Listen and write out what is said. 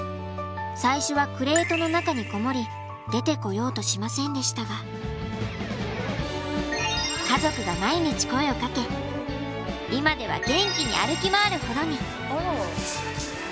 最初はクレートの中にこもり出てこようとしませんでしたが家族が毎日声をかけ今では元気に歩き回るほどに。